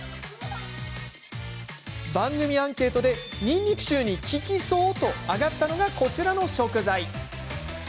番組アンケートでにんにく臭に効きそうと挙がったのが、こちらの食材。